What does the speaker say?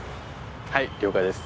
はい了解です